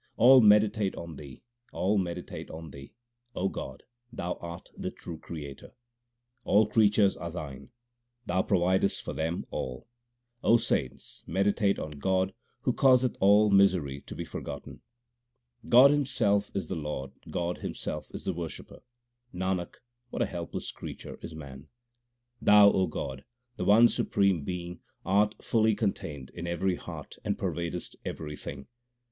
All meditate on Thee ; all meditate on Thee ; O God, Thou art the true Creator. All creatures are Thine ; Thou providest for them all. saints, meditate on God who causeth all misery to be forgotten. God Himself is the Lord, God Himself is the worshipper ; 2 Nanak, what a helpless creature is man ! Thou, O God, the one Supreme Being, art fully contained in every heart and pervadest everything.